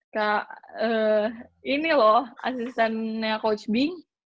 kayak ini loh asistennya coach bing